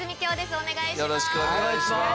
お願いします。